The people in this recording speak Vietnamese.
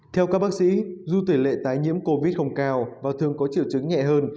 theo các bác sĩ dù tỷ lệ tái nhiễm covid không cao và thường có triệu chứng nhẹ hơn